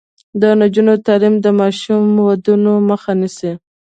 د نجونو تعلیم د ماشوم ودونو مخه نیسي.